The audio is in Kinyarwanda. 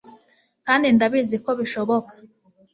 kandi ndabizi ko bishoboka